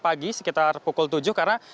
pagi sekitar pukul tujuh karena